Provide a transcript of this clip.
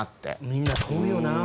みんなこうよな。